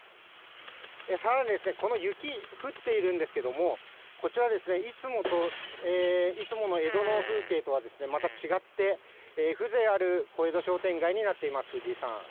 さらに、この雪、降っているんですけども、こちらですね、いつもの江戸の風景とはまた違って、風情ある小江戸商店街になっています、藤井さん。